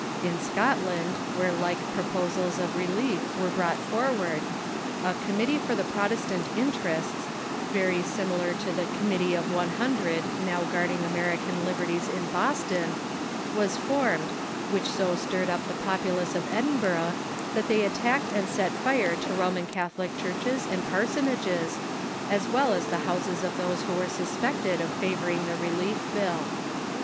In Scotland, where like proposals of re lief were brought forward, a "Committee for the Protestant Interests," very similar to the "Committee of One Hundred" now guarding American liberties in Boston, was formed, which so stirred up the populace of Edinburgh that they attacked and set fire to Roman Catholic churches and parsonages, as well as the houses of those who were suspected of favoring the Relief Bill.